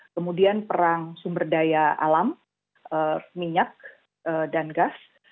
kemudian perang sumber daya alam minyak dan gas